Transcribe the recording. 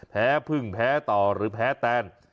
แพ้พึ่งแพ้ต่อหรือแพ้แตน